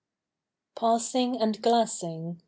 PASSING AND GLASSING.